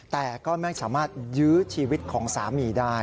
แต่ก็ไม่สามารถยื้อชีวิตของสามีได้